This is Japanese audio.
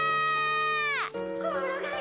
ころがり！